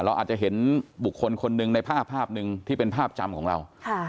เราอาจจะเห็นบุคคลคนหนึ่งในภาพภาพหนึ่งที่เป็นภาพจำของเรา